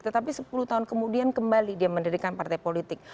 tetapi sepuluh tahun kemudian kembali dia mendirikan partai politik